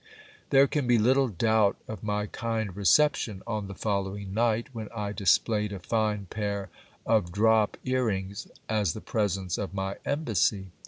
There can be little doubt of my kind reception on the following night, when I displayed a fine pair of drop ear rings, as the presents of my embassy.